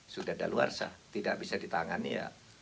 sudah daluarsa tidak bisa ditangani ya